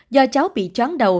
do cháu bị chóng đầu